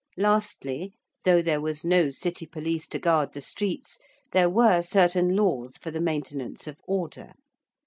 Lastly, though there was no City police to guard the streets, there were certain laws for the maintenance of order.